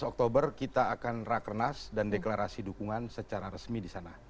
empat belas oktober kita akan rakernas dan deklarasi dukungan secara resmi disana